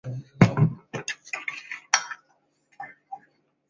柔毛冠盖藤为虎耳草科冠盖藤属下的一个变种。